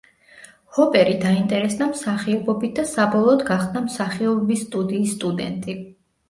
ჰოპერი დაინტერესდა მსახიობობით და საბოლოოდ გახდა მსახიობების სტუდიის სტუდენტი.